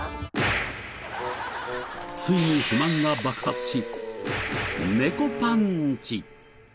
ついに不満が爆発し猫パンチ。